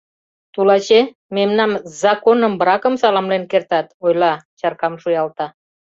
— Тулаче, мемнам с законным браком саламлен кертат, — ойла, чаркам шуялта.